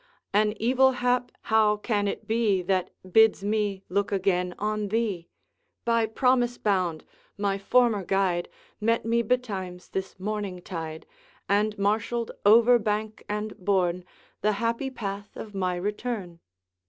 'An evil hap how can it be That bids me look again on thee? By promise bound, my former guide Met me betimes this morning tide, And marshalled over bank and bourne The happy path of my return.'